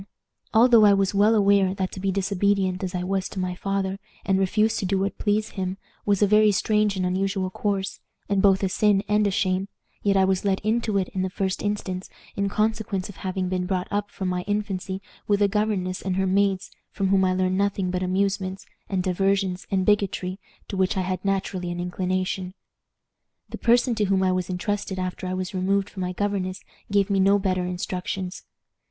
Although I was well aware that to be disobedient as I was to my father, and refuse to do what please him, was a very strange and unusual course, and both a sin and a shame, yet I was led into it, in the first instance, in consequence of having been brought up from my infancy with a governess and her maids, from whom I learned nothing but amusements, and diversions, and bigotry, to which I had naturally an inclination. "The person to whom I was intrusted after I was removed from my governess gave me no better instructions.